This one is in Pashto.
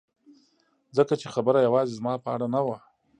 ځکه چې خبره یوازې زما په اړه نه وه